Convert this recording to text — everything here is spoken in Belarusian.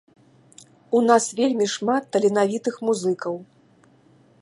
У нас вельмі шмат таленавітых музыкаў.